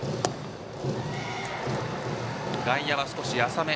外野は少し浅め。